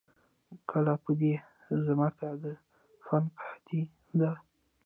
کله په دې زمکه د فن قحطي ده